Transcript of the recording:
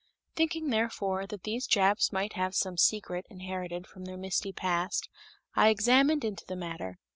Thinking, therefore, that these Japs might have some secret inherited from their misty past, I examined into the matter.